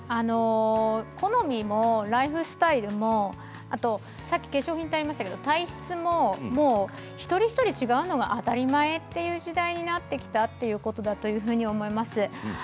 好みもライフスタイルもあと、さっきありましたけれども体質も一人一人違うのが当たり前という時代になってきたというふうに思います。